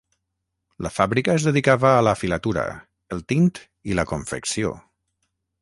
La fàbrica es dedicava a la filatura, el tint i la confecció.